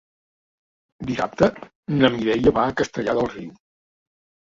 Dissabte na Mireia va a Castellar del Riu.